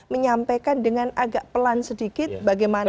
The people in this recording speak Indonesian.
menyampaikan dengan agak pelan sedikit bagaimana